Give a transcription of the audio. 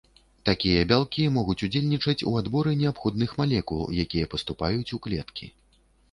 Такія бялкі могуць удзельнічаць у адборы неабходных малекул, якія паступаюць у клеткі.